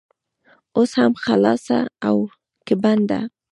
اوس هم خلاصه او که بنده؟